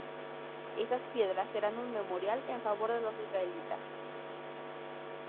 Esas piedras serán un memorial en favor de los israelitas.